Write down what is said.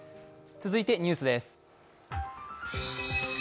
続いてニュースです。